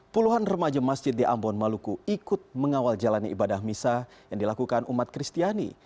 puluhan remaja masjid di ambon maluku ikut mengawal jalannya ibadah misah yang dilakukan umat kristiani